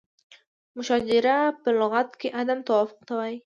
مشاجره په لغت کې عدم توافق ته وایي.